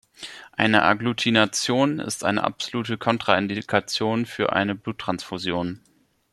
Eine Agglutination ist eine absolute Kontraindikation für eine Bluttransfusion.